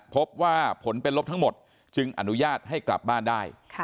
พบว่าผลเป็นลบทั้งหมดจึงอนุญาตให้กลับบ้านได้